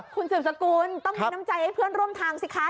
คุณสืบสกุลต้องมีน้ำใจให้เพื่อนร่วมทางสิคะ